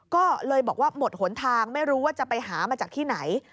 ก็เลยบอกว่าหมดหนทางไม่รู้ว่าจะไปหามาจากที่ไหน